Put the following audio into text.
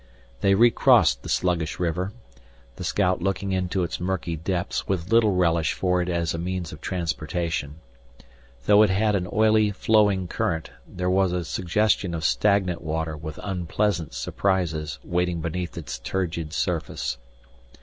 They recrossed the sluggish river, the scout looking into its murky depths with little relish for it as a means of transportation. Though it had an oily, flowing current, there was a suggestion of stagnant water with unpleasant surprises waiting beneath its turgid surface.